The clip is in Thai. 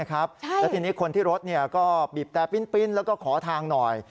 แล้วทีนี้คนที่รถก็บีบแต่ปิ้นแล้วก็ขอทางหน่อย